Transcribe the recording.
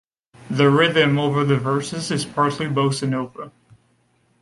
The rhythm over the verses is partly bossa nova.